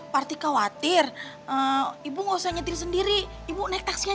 parti khawatir ibu nggak usah nyetin sendiri ibu naik taxi aja ya